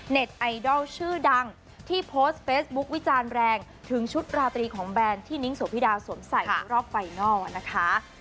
ไอดอลชื่อดังที่โพสต์เฟซบุ๊ควิจารณ์แรงถึงชุดราตรีของแบรนด์ที่นิ้งโสพิดาสวมใส่ในรอบไฟนัลนะคะ